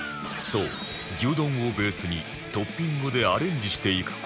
そう牛丼をベースにトッピングでアレンジしていく事に